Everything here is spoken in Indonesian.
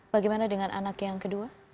bagaimana dengan anak yang kedua